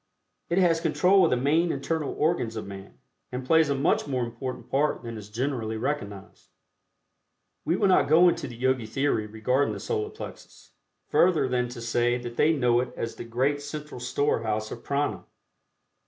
It has control of the main internal organs of man, and plays a much more important part than is generally recognized. We will not go into the Yogi theory regarding the Solar Plexus, further than to say that they know it as the great central store house of Prana.